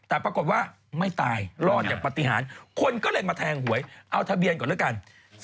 แต่ปรากฏว่าไม่ตายรอดจากปฏิหารคนก็เลยมาแทงหวยเอาทะเบียนก่อนแล้วกัน